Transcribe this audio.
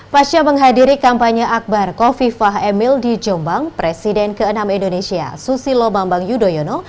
pasca menghadiri kampanye akbar kofifah emil di jombang presiden ke enam indonesia susilo bambang yudhoyono